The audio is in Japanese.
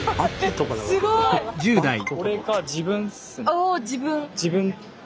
あ自分。